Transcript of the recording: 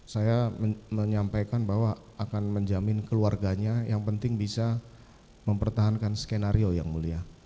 saya menyampaikan bahwa akan menjamin keluarganya yang penting bisa mempertahankan skenario yang mulia